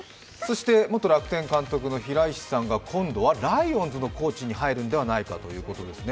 元楽天監督の平石さんが、今度はライオンズのコーチに入るのではないかということですね。